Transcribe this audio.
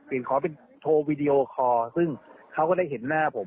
เปลี่ยนขอไปโทรวิดีโอคอร์ซึ่งเขาก็ได้เห็นหน้าผม